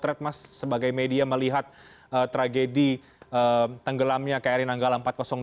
terkait mas sebagai media melihat tragedi tenggelamnya kri nanggala empat ratus dua